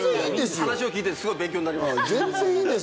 話を聞いてすごい勉強になります。